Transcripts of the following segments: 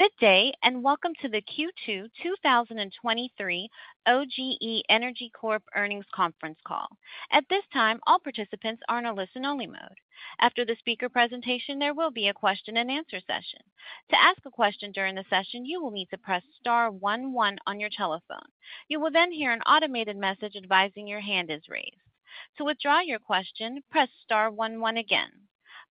Good day, and welcome to the Q2 2023 OGE Energy Corp earnings conference call. At this time, all participants are in a listen-only mode. After the speaker presentation, there will be a question-and-answer session. To ask a question during the session, you will need to press star 11 on your telephone. You will then hear an automated message advising your hand is raised. To withdraw your question, press star 11 again.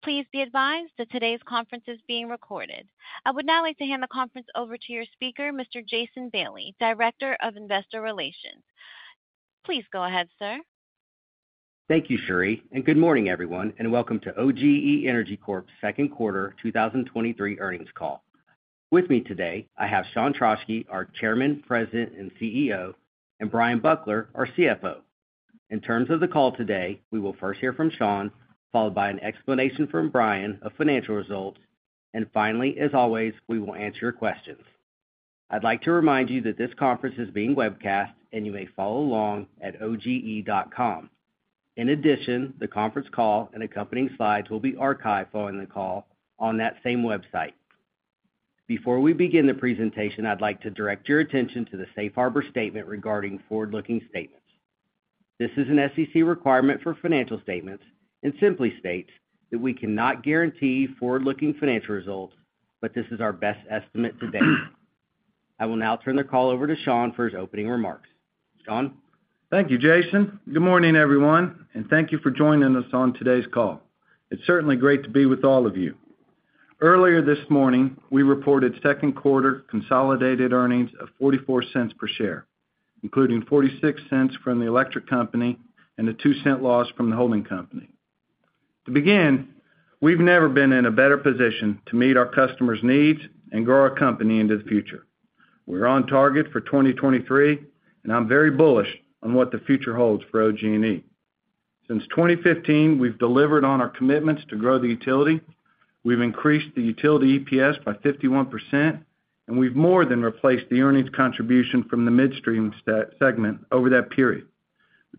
Please be advised that today's conference is being recorded. I would now like to hand the conference over to your speaker, Mr. Jason Bailey, Director of Investor Relations. Please go ahead, sir. Thank you, Sherry, and good morning, everyone, and welcome to OGE Energy Corp's second quarter 2023 earnings call. With me today, I have Sean Trauschke, our Chairman, President, and CEO, and Bryan Buckler, our CFO. In terms of the call today, we will first hear from Sean, followed by an explanation from Bryan of financial results, and finally, as always, we will answer your questions. I'd like to remind you that this conference is being webcast, and you may follow along at oge.com. In addition, the conference call and accompanying slides will be archived following the call on that same website. Before we begin the presentation, I'd like to direct your attention to the Safe Harbor statement regarding forward-looking statements. This is an an SEC requirement for financial statements and simply states that we cannot guarantee forward-looking financial results, but this is our best estimate to date. I will now turn the call over to Sean for his opening remarks. Sean? Thank you, Jason. Good morning, everyone, thank you for joining us on today's call. It's certainly great to be with all of you. Earlier this morning, we reported second quarter consolidated earnings of $0.44 per share, including $0.46 from the electric company and a $0.02 loss from the holding company. To begin, we've never been in a better position to meet our customers' needs and grow our company into the future. We're on target for 2023, I'm very bullish on what the future holds for OG&E. Since 2015, we've delivered on our commitments to grow the utility. We've increased the utility EPS by 51%, we've more than replaced the earnings contribution from the midstream segment over that period.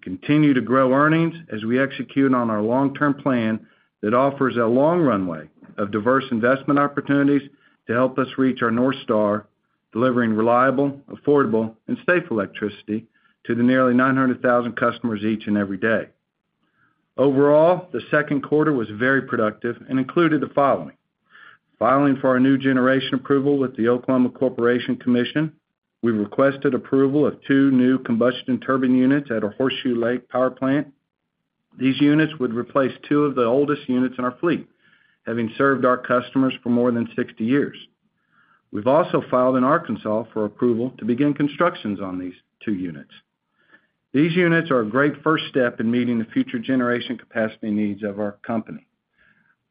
We continue to grow earnings as we execute on our long-term plan that offers a long runway of diverse investment opportunities to help us reach our North Star, delivering reliable, affordable, and safe electricity to the nearly 900,000 customers each and every day. Overall, the second quarter was very productive and included the following: Filing for our new generation approval with the Oklahoma Corporation Commission, we requested approval of 2 new combustion turbine units at our Horseshoe Lake Power Plant. These units would replace 2 of the oldest units in our fleet, having served our customers for more than 60 years. We've also filed in Arkansas for approval to begin constructions on these 2 units. These units are a great first step in meeting the future generation capacity needs of our company.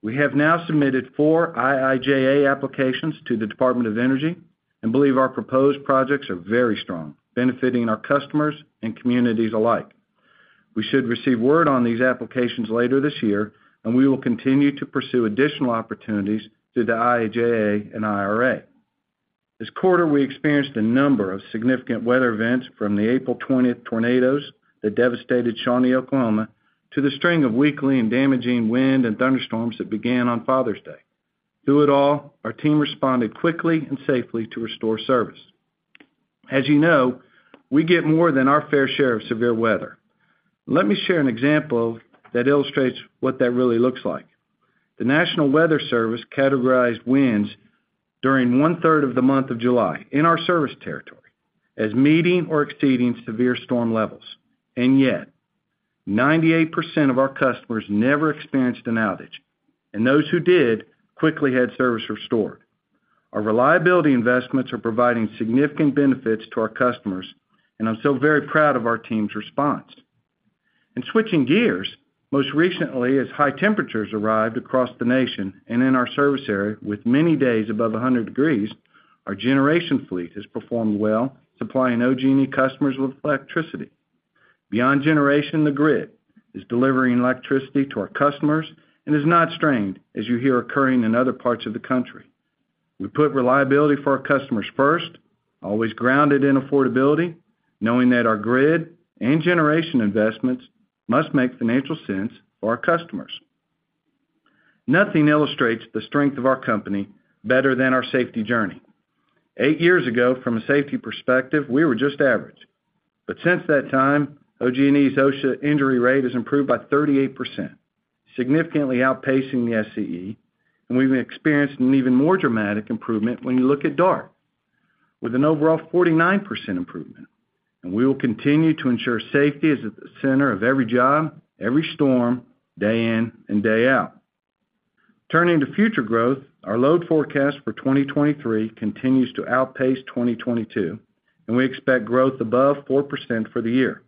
We have now submitted four IIJA applications to the Department of Energy and believe our proposed projects are very strong, benefiting our customers and communities alike. We should receive word on these applications later this year, and we will continue to pursue additional opportunities through the IIJA and IRA. This quarter, we experienced a number of significant weather events, from the April 20th tornadoes that devastated Shawnee, Oklahoma, to the string of weekly and damaging wind and thunderstorms that began on Father's Day. Through it all, our team responded quickly and safely to restore service. As you know, we get more than our fair share of severe weather. Let me share an example that illustrates what that really looks like. The National Weather Service categorized winds during one-third of the month of July in our service territory as meeting or exceeding severe storm levels, yet 98% of our customers never experienced an outage, and those who did quickly had service restored. Our reliability investments are providing significant benefits to our customers, and I'm so very proud of our team's response. Switching gears, most recently, as high temperatures arrived across the nation and in our service area, with many days above 100 degrees, our generation fleet has performed well, supplying OG&E customers with electricity. Beyond generation, the grid is delivering electricity to our customers and is not strained, as you hear occurring in other parts of the country. We put reliability for our customers first, always grounded in affordability, knowing that our grid and generation investments must make financial sense for our customers. Nothing illustrates the strength of our company better than our safety journey. Eight years ago, from a safety perspective, we were just average. Since that time, OG&E's OSHA injury rate has improved by 38%, significantly outpacing the SCE, and we've experienced an even more dramatic improvement when you look at DART, with an overall 49% improvement. We will continue to ensure safety is at the center of every job, every storm, day in and day out. Turning to future growth, our load forecast for 2023 continues to outpace 2022, and we expect growth above 4% for the year.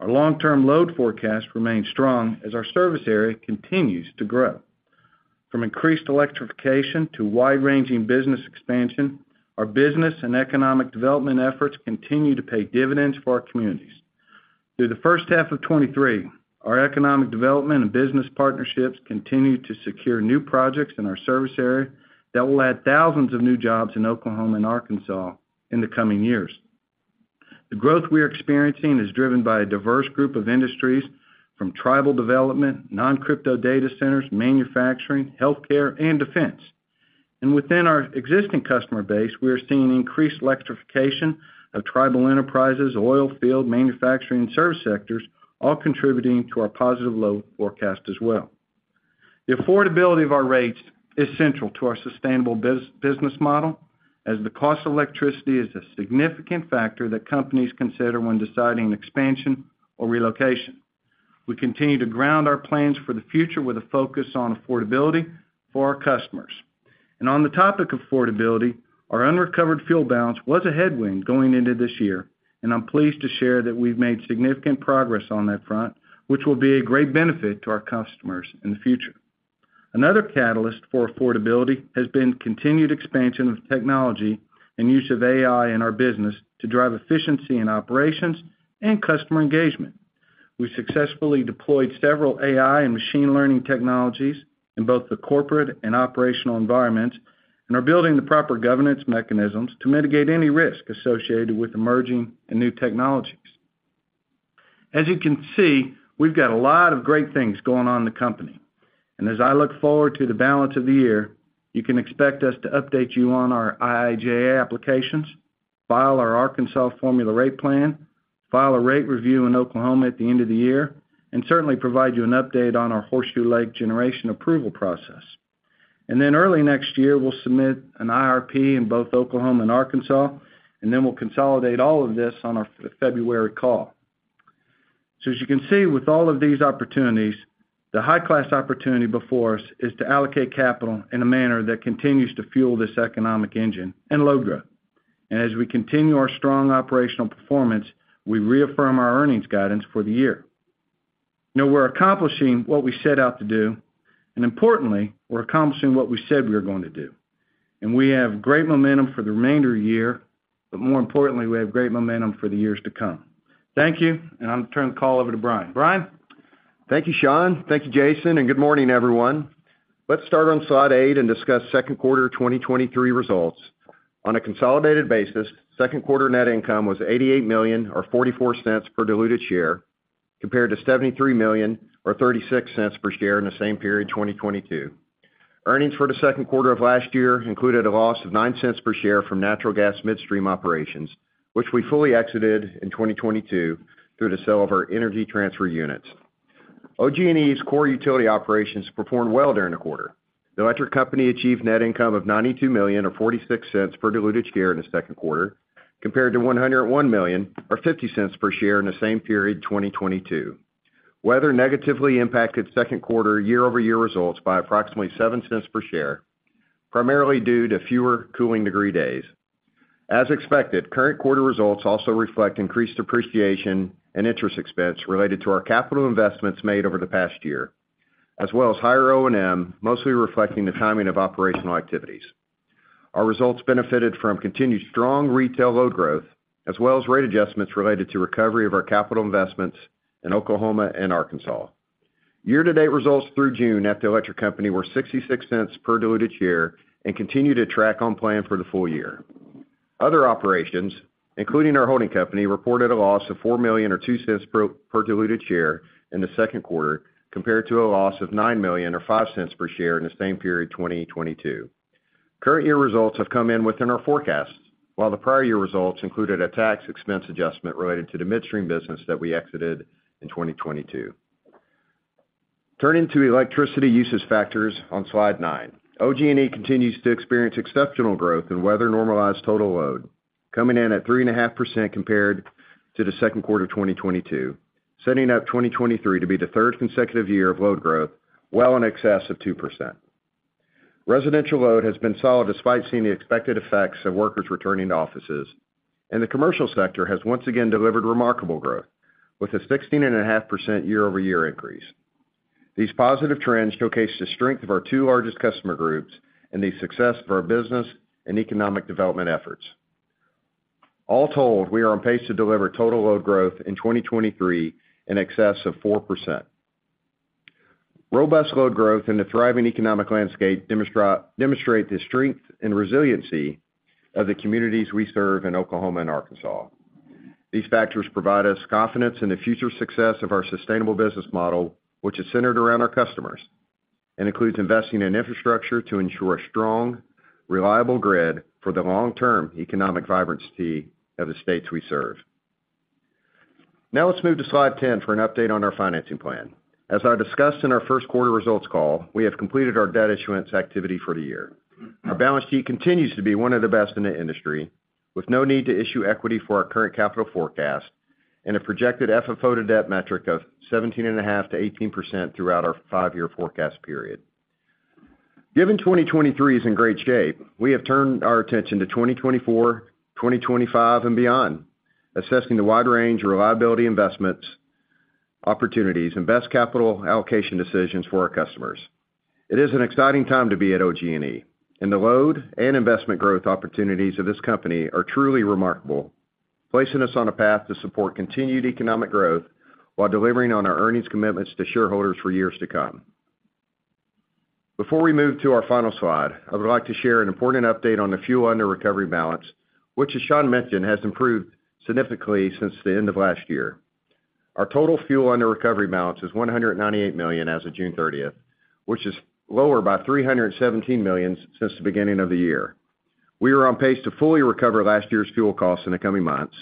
Our long-term load forecast remains strong as our service area continues to grow. From increased electrification to wide-ranging business expansion, our business and economic development efforts continue to pay dividends for our communities. Through the first half of 2023, our economic development and business partnerships continued to secure new projects in our service area that will add thousands of new jobs in Oklahoma and Arkansas in the coming years. The growth we are experiencing is driven by a diverse group of industries, from tribal development, non-crypto data centers, manufacturing, healthcare, and defense. Within our existing customer base, we are seeing increased electrification of tribal enterprises, oil field, manufacturing, and service sectors, all contributing to our positive load forecast as well. The affordability of our rates is central to our sustainable business model, as the cost of electricity is a significant factor that companies consider when deciding expansion or relocation. We continue to ground our plans for the future with a focus on affordability for our customers. On the topic of affordability, our unrecovered fuel balance was a headwind going into this year, and I'm pleased to share that we've made significant progress on that front, which will be a great benefit to our customers in the future. Another catalyst for affordability has been continued expansion of technology and use of AI in our business to drive efficiency in operations and customer engagement. We successfully deployed several AI and machine learning technologies in both the corporate and operational environments, and are building the proper governance mechanisms to mitigate any risk associated with emerging and new technologies. As you can see, we've got a lot of great things going on in the company, as I look forward to the balance of the year, you can expect us to update you on our IIJA applications, file our Arkansas Formula Rate plan, file a rate review in Oklahoma at the end of the year, and certainly provide you an update on our Horseshoe Lake generation approval process. Then early next year, we'll submit an IRP in both Oklahoma and Arkansas, then we'll consolidate all of this on our February call. As you can see, with all of these opportunities, the high-class opportunity before us is to allocate capital in a manner that continues to fuel this economic engine and load growth. As we continue our strong operational performance, we reaffirm our earnings guidance for the year. Now we're accomplishing what we set out to do. Importantly, we're accomplishing what we said we were going to do. We have great momentum for the remainder of the year. More importantly, we have great momentum for the years to come. Thank you. I'll turn the call over to Bryan. Bryan? Thank you, Sean. Thank you, Jason, and good morning, everyone. Let's start on slide 8 and discuss second quarter 2023 results. On a consolidated basis, second quarter net income was $88 million or $0.44 per diluted share, compared to $73 million or $0.36 per share in the same period, 2022. Earnings for the second quarter of last year included a loss of $0.09 per share from natural gas midstream operations, which we fully exited in 2022 through the sale of our Energy Transfer units. OG&E's core utility operations performed well during the quarter. The electric company achieved net income of $92 million or $0.46 per diluted share in the second quarter, compared to $101 million or $0.50 per share in the same period, 2022. Weather negatively impacted second-quarter year-over-year results by approximately $0.07 per share, primarily due to fewer cooling degree days. As expected, current quarter results also reflect increased depreciation and interest expense related to our capital investments made over the past year, as well as higher O&M, mostly reflecting the timing of operational activities. Our results benefited from continued strong retail load growth, as well as rate adjustments related to recovery of our capital investments in Oklahoma and Arkansas. Year-to-date results through June at the electric company were $0.66 per diluted share and continue to track on plan for the full year. Other operations, including our holding company, reported a loss of $4 million or $0.02 per diluted share in the second quarter, compared to a loss of $9 million or $0.05 per share in the same period, 2022. Current year results have come in within our forecasts, while the prior year results included a tax expense adjustment related to the midstream business that we exited in 2022. Turning to electricity usage factors on slide 9. OG&E continues to experience exceptional growth in weather-normalized total load, coming in at 3.5% compared to the second quarter of 2022, setting up 2023 to be the 3rd consecutive year of load growth, well in excess of 2%. Residential load has been solid despite seeing the expected effects of workers returning to offices, and the commercial sector has once again delivered remarkable growth with a 16.5% year-over-year increase. These positive trends showcase the strength of our two largest customer groups and the success of our business and economic development efforts. All told, we are on pace to deliver total load growth in 2023 in excess of 4%. Robust load growth in the thriving economic landscape demonstrate the strength and resiliency of the communities we serve in Oklahoma and Arkansas. These factors provide us confidence in the future success of our sustainable business model, which is centered around our customers and includes investing in infrastructure to ensure a strong, reliable grid for the long-term economic vibrancy of the states we serve. Now let's move to Slide 10 for an update on our financing plan. As I discussed in our first quarter results call, we have completed our debt issuance activity for the year. Our balance sheet continues to be one of the best in the industry, with no need to issue equity for our current capital forecast and a projected FFO to debt metric of 17.5%-18% throughout our five-year forecast period. Given 2023 is in great shape, we have turned our attention to 2024, 2025 and beyond, assessing the wide range of reliability investments, opportunities and best capital allocation decisions for our customers. It is an exciting time to be at OG&E, and the load and investment growth opportunities of this company are truly remarkable, placing us on a path to support continued economic growth while delivering on our earnings commitments to shareholders for years to come. Before we move to our final slide, I would like to share an important update on the fuel under recovery balance, which, as Sean mentioned, has improved significantly since the end of last year. Our total fuel under recovery balance is $198 million as of June 30th, which is lower by $317 million since the beginning of the year. We are on pace to fully recover last year's fuel costs in the coming months,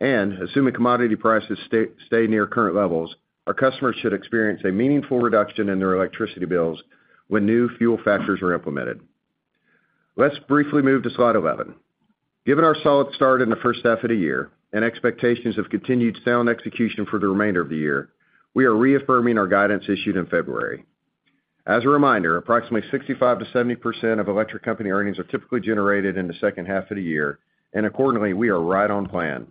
and assuming commodity prices stay near current levels, our customers should experience a meaningful reduction in their electricity bills when new fuel factors are implemented. Let's briefly move to slide 11. Given our solid start in the first half of the year and expectations of continued sound execution for the remainder of the year, we are reaffirming our guidance issued in February. As a reminder, approximately 65%-70% of electric company earnings are typically generated in the second half of the year, and accordingly, we are right on plan.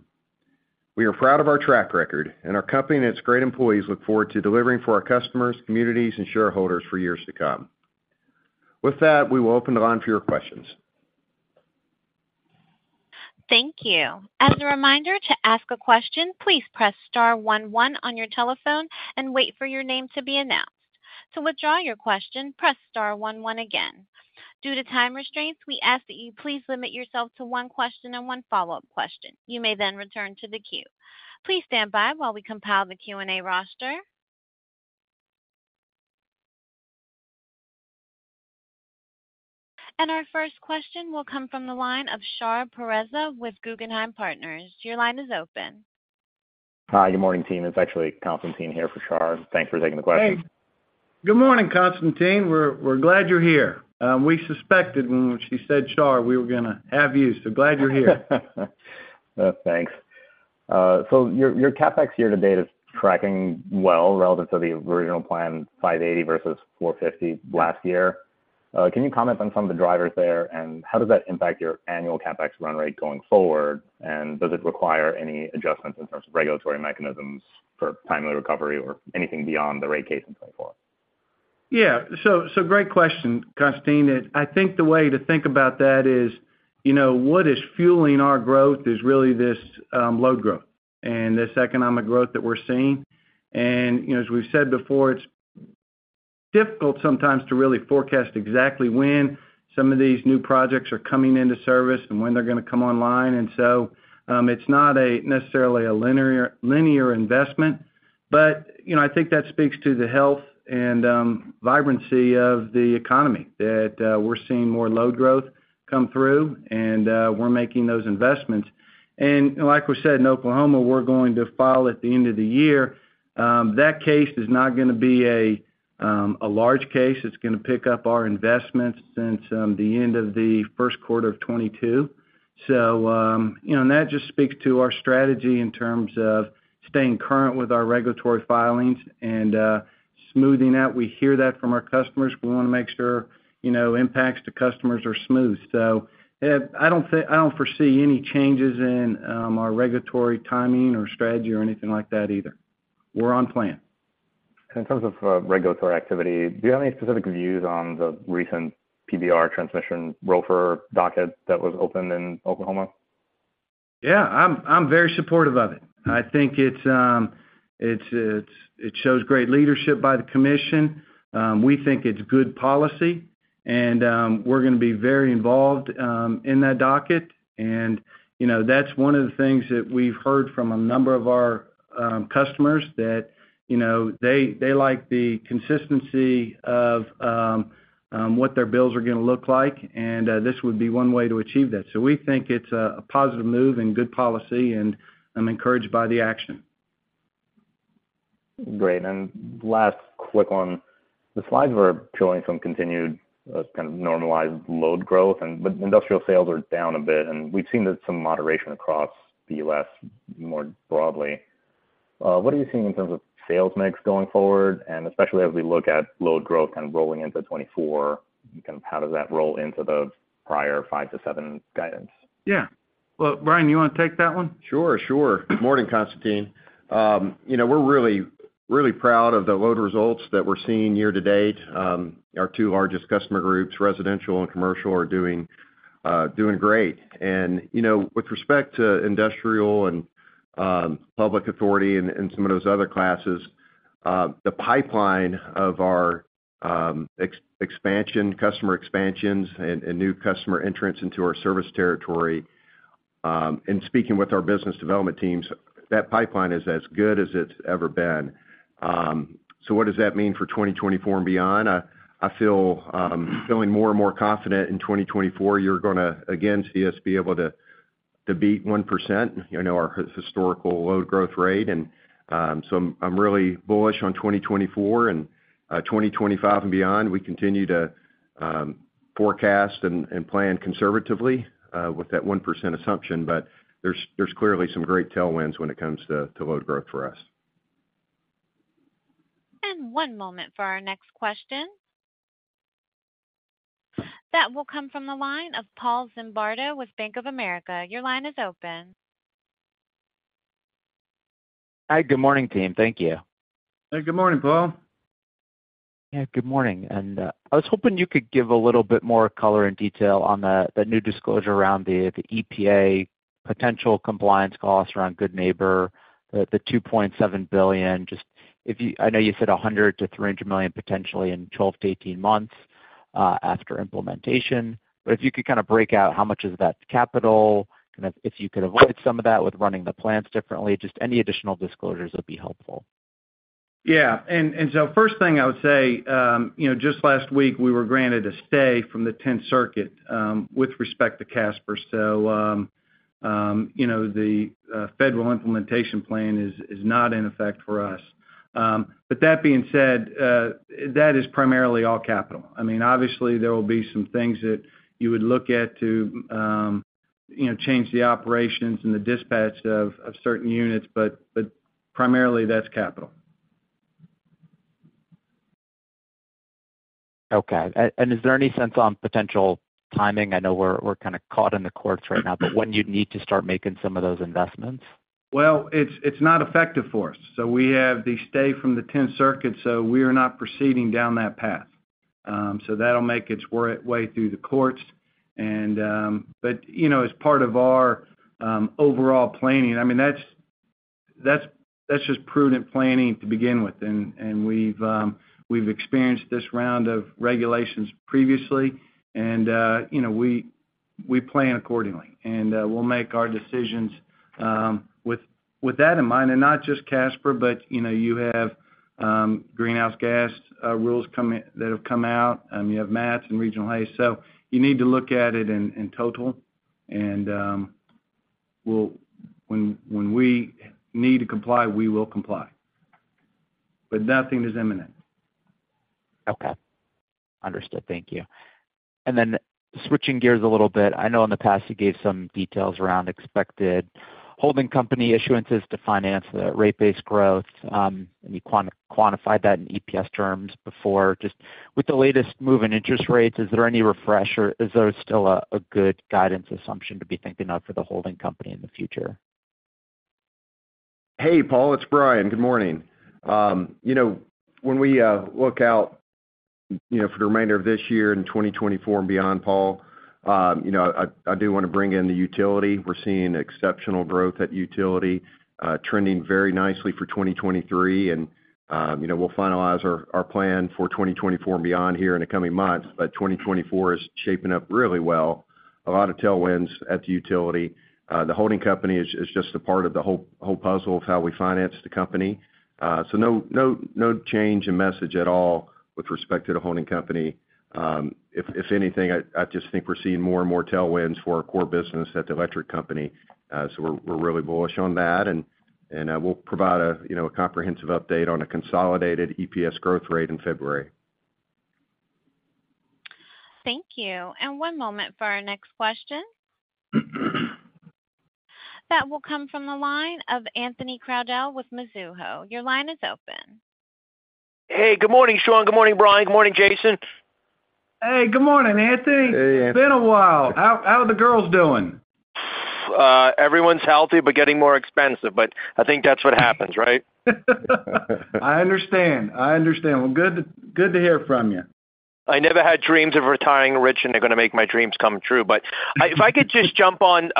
We are proud of our track record, and our company and its great employees look forward to delivering for our customers, communities, and shareholders for years to come. With that, we will open the line for your questions. Thank you. As a reminder to ask a question, please press star one one on your telephone and wait for your name to be announced. To withdraw your question, press star one one again. Due to time restraints, we ask that you please limit yourself to one question and one follow-up question. You may then return to the queue. Please stand by while we compile the Q&A roster. Our first question will come from the line of Shar Pourreza with Guggenheim Partners. Your line is open. Hi, good morning, team. It's actually Constantine here for Shar. Thanks for taking the question. Hey. Good morning, Constantine. We're glad you're here. We suspected when she said, Shar, we were gonna have you, so glad you're here. Thanks. Your, your CapEx year-to-date is tracking well relative to the original plan, $580 versus $450 last year. Can you comment on some of the drivers there, and how does that impact your annual CapEx run rate going forward? Does it require any adjustments in terms of regulatory mechanisms for timely recovery or anything beyond the rate case in 2024? Yeah. So, so great question, Constantine. I think the way to think about that is, you know, what is fueling our growth is really this load growth and this economic growth that we're seeing. You know, as we've said before, it's difficult sometimes to really forecast exactly when some of these new projects are coming into service and when they're gonna come online. So, it's not necessarily a linear, linear investment, but, you know, I think that speaks to the health and vibrancy of the economy, that we're seeing more load growth come through, and we're making those investments. Like we said, in Oklahoma, we're going to file at the end of the year. That case is not gonna be a large case. It's gonna pick up our investments since the end of the first quarter of 2022. You know, and that just speaks to our strategy in terms of staying current with our regulatory filings and smoothing out. We hear that from our customers. We wanna make sure, you know, impacts to customers are smooth. I don't foresee any changes in our regulatory timing or strategy or anything like that either. We're on plan. In terms of regulatory activity, do you have any specific views on the recent PBR transmission ROFR docket that was opened in Oklahoma? Yeah, I'm, I'm very supportive of it. I think it's, it's-- it shows great leadership by the commission. We think it's good policy, and we're gonna be very involved in that docket. You know, that's one of the things that we've heard from a number of our customers that, you know, they, they like the consistency of what their bills are gonna look like, and this would be one way to achieve that. We think it's a, a positive move and good policy, and I'm encouraged by the action. Great. Last, quick one. The slides were showing some continued, kind of normalized load growth and, but industrial sales are down a bit, and we've seen that some moderation across the U.S. more broadly. What are you seeing in terms of sales mix going forward, and especially as we look at load growth kind of rolling into 2024, kind of how does that roll into the prior 5-7 guidance? Yeah. Well, Bryan, you wanna take that one? Sure, sure. Good morning, Constantine. You know, we're really, really proud of the load results that we're seeing year to date. Our two largest customer groups, residential and commercial, are doing great. You know, with respect to industrial and public authority and some of those other classes, the pipeline of our customer expansions and new customer entrants into our service territory, and speaking with our business development teams, that pipeline is as good as it's ever been. What does that mean for 2024 and beyond? I feel, feeling more and more confident in 2024, you're gonna again see us be able to, to beat 1%, you know, our historical load growth rate. I'm, I'm really bullish on 2024 and 2025 and beyond. We continue to forecast and, and plan conservatively, with that 1% assumption, but there's, there's clearly some great tailwinds when it comes to, to load growth for us. One moment for our next question. That will come from the line of Paul Zimbardo with Bank of America. Your line is open. Hi, good morning, team. Thank you. Hey, good morning, Paul. Yeah, good morning. I was hoping you could give a little bit more color and detail on the EPA potential compliance costs around Good Neighbor, the $2.7 billion. Just if you I know you said $100 million-$300 million potentially in 12-18 months after implementation, but if you could kind of break out how much of that's capital, kind of if you could avoid some of that with running the plants differently, just any additional disclosures would be helpful. Yeah. First thing I would say, you know, just last week, we were granted a stay from the Tenth Circuit with respect to CSAPR. You know, the federal implementation plan is not in effect for us. That being said, that is primarily all capital. I mean, obviously, there will be some things that you would look at to, you know, change the operations and the dispatch of certain units, primarily, that's capital. Okay. Is there any sense on potential timing? I know we're, we're kind of caught in the courts right now, but when do you need to start making some of those investments? Well, it's, it's not effective for us, so we have the stay from the Tenth Circuit, so we are not proceeding down that path. So that'll make its way through the courts. But, you know, as part of our overall planning, I mean, that's, that's, that's just prudent planning to begin with. And we've experienced this round of regulations previously, and, you know, we, we plan accordingly. And we'll make our decisions with, with that in mind, and not just CSAPR, but, you know, you have greenhouse gas rules that have come out, and you have MATS and regional haze. You need to look at it in, in total, and, when, when we need to comply, we will comply. Nothing is imminent. Okay. Understood. Thank you. Then switching gears a little bit, I know in the past you gave some details around expected holding company issuances to finance the rate base growth. You quantified that in EPS terms before. Just with the latest move in interest rates, is there any refresh or is there still a, a good guidance assumption to be thinking of for the holding company in the future? Hey, Paul, it's Bryan. Good morning. You know, when we look out, you know, for the remainder of this year and 2024 and beyond, Paul, you know, I, I do wanna bring in the utility. We're seeing exceptional growth at utility, trending very nicely for 2023, and, you know, we'll finalize our, our plan for 2024 and beyond here in the coming months. 2024 is shaping up really well. A lot of tailwinds at the utility. The holding company is, is just a part of the whole, whole puzzle of how we finance the company. No, no, no change in message at all with respect to the holding company. If, if anything, I, I just think we're seeing more and more tailwinds for our core business at the electric company. We're, we're really bullish on that, and, and, we'll provide a, you know, a comprehensive update on a consolidated EPS growth rate in February. Thank you. One moment for our next question. That will come from the line of Anthony Crowdell with Mizuho. Your line is open. Hey, good morning, Sean. Good morning, Bryan. Good morning, Jason. Hey, good morning, Anthony. Hey. It's been a while. How, how are the girls doing? Everyone's healthy, but getting more expensive, but I think that's what happens, right? I understand. I understand. Well, good to, good to hear from you. I never had dreams of retiring rich, and they're gonna make my dreams come true. If I could just jump on,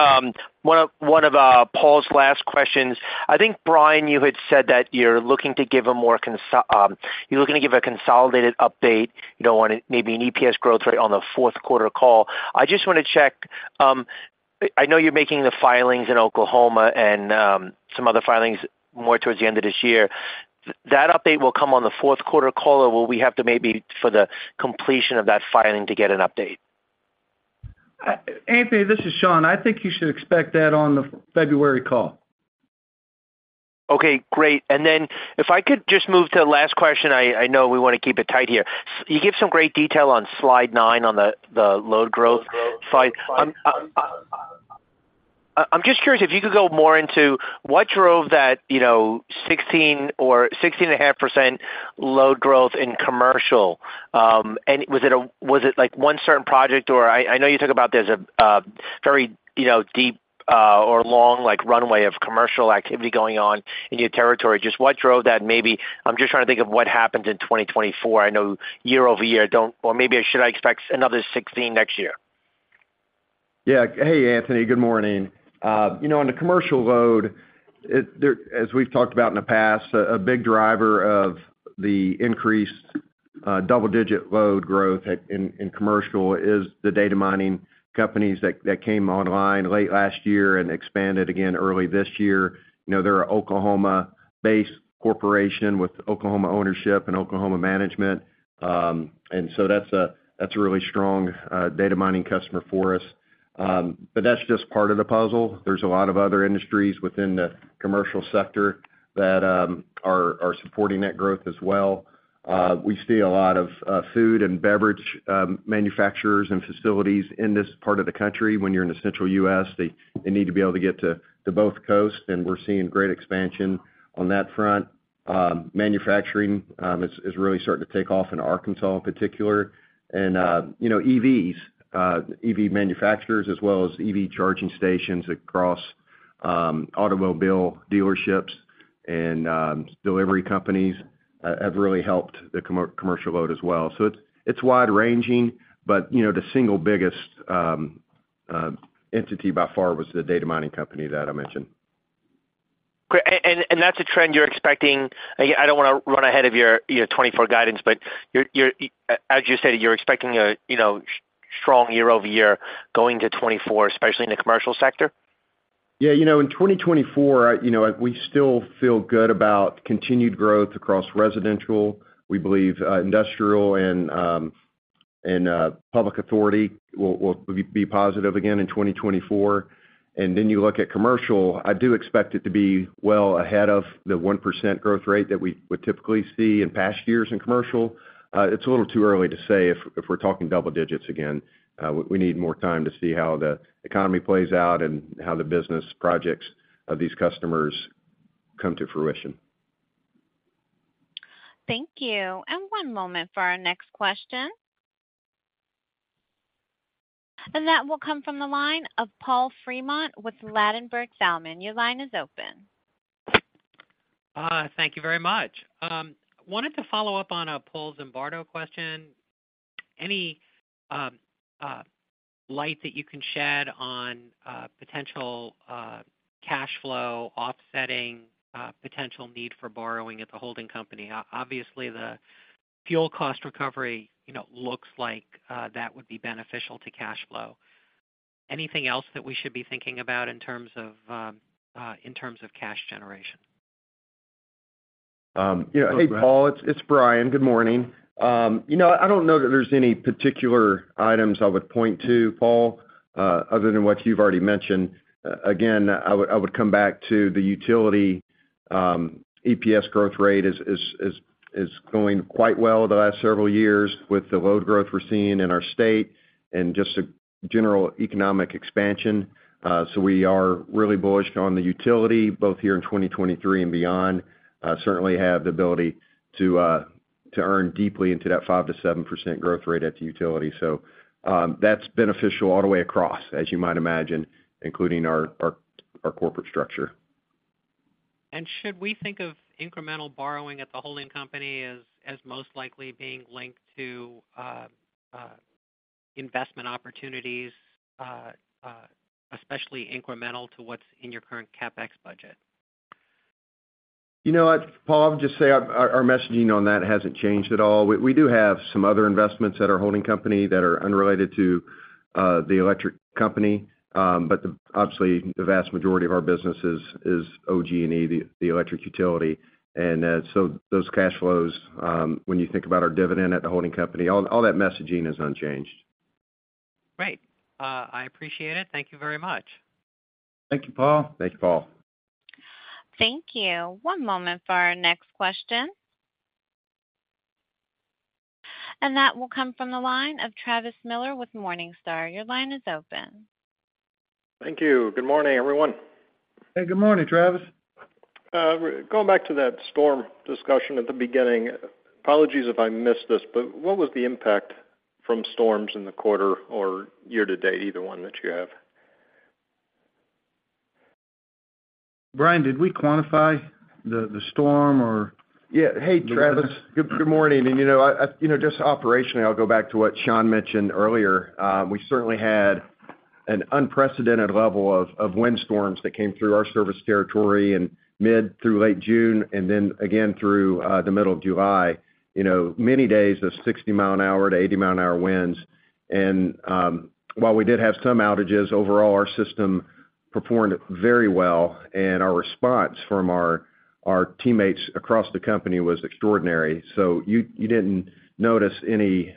one of, one of, Paul's last questions: I think, Bryan, you had said that you're looking to give a consolidated update, you don't want it-- maybe an EPS growth rate on the fourth quarter call. I just wanna check, I know you're making the filings in Oklahoma and some other filings more towards the end of this year. That update will come on the fourth quarter call, or will we have to maybe for the completion of that filing to get an update? Anthony, this is Sean. I think you should expect that on the February call. Okay, great. If I could just move to the last question, I know we wanna keep it tight here. You gave some great detail on slide 9 on the load growth slide. I'm just curious if you could go more into what drove that, you know, 16 or 16.5% load growth in commercial. Was it, like, one certain project, or I know you talked about there's a, a very, you know, deep or long, like, runway of commercial activity going on in your territory. Just what drove that? Maybe I'm just trying to think of what happened in 2024. I know year-over-year don't or maybe should I expect another 16 next year? Yeah. Hey, Anthony, good morning. you know, on the commercial load, it, there, as we've talked about in the past, a, a big driver of the increased, double-digit load growth at, in, in commercial is the data mining companies that, that came online late last year and expanded again early this year. You know, they're an Oklahoma-based corporation with Oklahoma ownership and Oklahoma management. and so that's a, that's a really strong, data mining customer for us. but that's just part of the puzzle. There's a lot of other industries within the commercial sector that, are, are supporting that growth as well. we see a lot of, food and beverage, manufacturers and facilities in this part of the country. When you're in the central U.S., they, they need to be able to get to, to both coasts, and we're seeing great expansion on that front. Manufacturing is really starting to take off in Arkansas in particular. You know, EVs, EV manufacturers, as well as EV charging stations, automobile dealerships and delivery companies have really helped the commercial load as well. It's wide-ranging, but, you know, the single biggest entity by far was the data mining company that I mentioned. Great. And that's a trend you're expecting-- I, I don't wanna run ahead of your, your 2024 guidance, but you're, you're, as you said, you're expecting a, you know, strong year-over-year going to 2024, especially in the commercial sector? Yeah, you know, in 2024, you know, we still feel good about continued growth across residential. We believe industrial and public authority will be positive again in 2024. You look at commercial, I do expect it to be well ahead of the 1% growth rate that we would typically see in past years in commercial. It's a little too early to say if we're talking double digits again. We need more time to see how the economy plays out and how the business projects of these customers come to fruition. Thank you. One moment for our next question. That will come from the line of Paul Fremont with Ladenburg Thalmann. Your line is open. Thank you very much. Wanted to follow up on Paul Zimbardo question. Any light that you can shed on potential cash flow offsetting potential need for borrowing at the holding company? Obviously, the fuel cost recovery, you know, looks like that would be beneficial to cash flow. Anything else that we should be thinking about in terms of in terms of cash generation? Yeah. Hey, Paul, it's Bryan. Good morning. You know, I don't know that there's any particular items I would point to, Paul, other than what you've already mentioned. Again, I would, I would come back to the utility EPS growth rate is, is, is, is going quite well the last several years with the load growth we're seeing in our state and just a general economic expansion. We are really bullish on the utility, both here in 2023 and beyond. Certainly have the ability to earn deeply into that 5%-7% growth rate at the utility. That's beneficial all the way across, as you might imagine, including our, our, our corporate structure. should we think of incremental borrowing at the holding company as, as most likely being linked to investment opportunities, especially incremental to what's in your current CapEx budget? You know what, Paul? I'll just say our, our messaging on that hasn't changed at all. We, we do have some other investments at our holding company that are unrelated to the electric company. Obviously, the vast majority of our business is, is OG&E, the, the electric utility. Those cash flows, when you think about our dividend at the holding company, all, all that messaging is unchanged. Great. I appreciate it. Thank you very much. Thank you, Paul. Thank you, Paul. Thank you. One moment for our next question. That will come from the line of Travis Miller with Morningstar. Your line is open. Thank you. Good morning, everyone. Hey, good morning, Travis. Going back to that storm discussion at the beginning, apologies if I missed this, but what was the impact from storms in the quarter or year to date, either one that you have? Bryan, did we quantify the, the storm or- Yeah. Hey, Travis. Good, good morning. You know, I, I-- you know, just operationally, I'll go back to what Sean mentioned earlier. We certainly had an unprecedented level of, of windstorms that came through our service territory in mid through late June, then again through the middle of July. You know, many days of 60-mile-an-hour-80-mi-an-hour winds. While we did have some outages, overall, our system performed very well, and our response from our, our teammates across the company was extraordinary. You, you didn't notice any,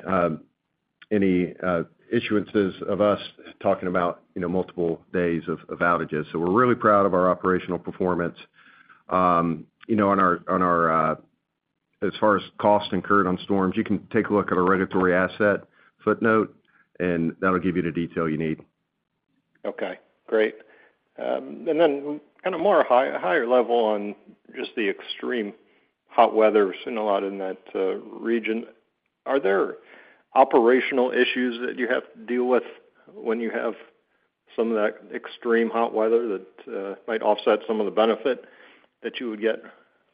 any issuances of us talking about, you know, multiple days of, of outages. We're really proud of our operational performance. You know, on our, on our... As far as cost incurred on storms, you can take a look at our regulatory asset footnote, and that'll give you the detail you need. Okay, great. Then kind of more high- higher level on just the extreme hot weather we're seeing a lot in that region. Are there operational issues that you have to deal with when you have some of that extreme hot weather that might offset some of the benefit that you would get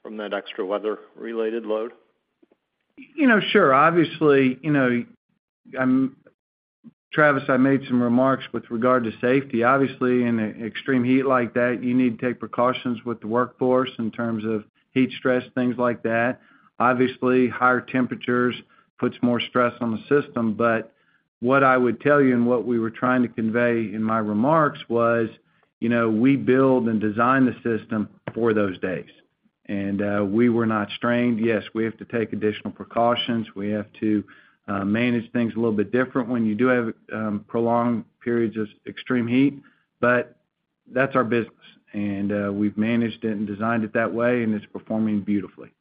from that extra weather-related load? You know, sure. Obviously, you know, Travis, I made some remarks with regard to safety. Obviously, in extreme heat like that, you need to take precautions with the workforce in terms of heat stress, things like that. Obviously, higher temperatures puts more stress on the system, but what I would tell you and what we were trying to convey in my remarks was, you know, we build and design the system for those days, and we were not strained. Yes, we have to take additional precautions. We have to manage things a little bit different when you do have prolonged periods of extreme heat, but that's our business, and we've managed it and designed it that way, and it's performing beautifully.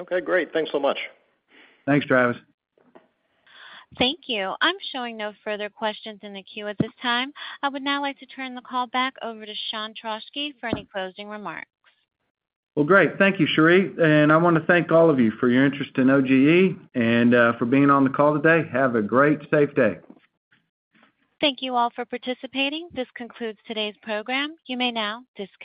Okay, great. Thanks so much. Thanks, Travis. Thank you. I'm showing no further questions in the queue at this time. I would now like to turn the call back over to Sean Trauschke for any closing remarks. Well, great. Thank you, Sherry, and I wanna thank all of you for your interest in OGE and for being on the call today. Have a great, safe day. Thank you all for participating. This concludes today's program. You may now disconnect.